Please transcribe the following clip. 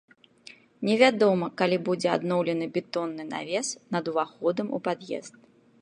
Невядома калі будзе адноўлены бетонны навес над уваходам у пад'езд.